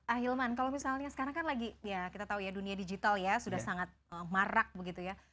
ahilman kalau misalnya sekarang kan lagi ya kita tahu ya dunia digital ya sudah sangat marak begitu ya